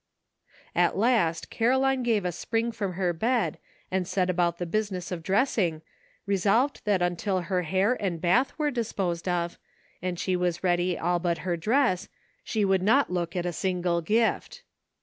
At last Caroline gave a spring from her bed and set about the business of dressing, resolved that until hair and bath were disposed of, and she was ready all but her dress, she would not look at a single gift.